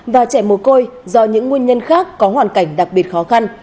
và trẻ mồ côi do những nguyên nhân khác có hoàn cảnh đặc biệt khó khăn